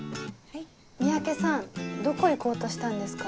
三宅さんどこ行こうとしたんですか？